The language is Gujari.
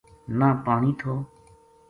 نہ پانی تھو